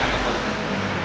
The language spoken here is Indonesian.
kami siap membantu